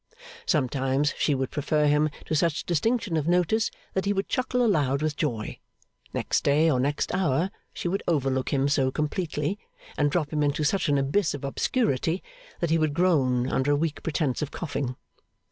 Sometimes she would prefer him to such distinction of notice, that he would chuckle aloud with joy; next day, or next hour, she would overlook him so completely, and drop him into such an abyss of obscurity, that he would groan under a weak pretence of coughing.